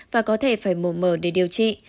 và có thể phải mổ mở để điều trị